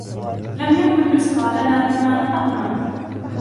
لم يكن يصغى لنا لما نطقنا